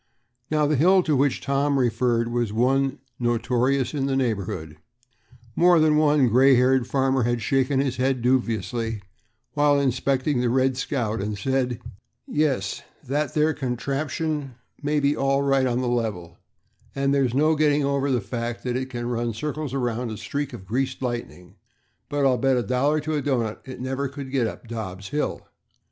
Now, the hill to which Tom referred was one notorious in the neighborhood. More than one gray haired farmer had shaken his head dubiously while inspecting the "Red Scout," and said, "Yes, that there contraption may be all right on the level, and there's no getting over the fact that it can run circles around a streak of greased lightning, but I'll bet a dollar to a doughnut that it could never get up Dobb's hill."